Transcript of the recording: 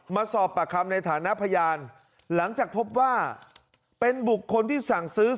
มาสอบปากคำในฐานะพยานหลังจากพบว่าเป็นบุคคลที่สั่งซื้อ